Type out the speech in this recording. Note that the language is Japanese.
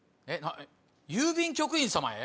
郵便局員様へ？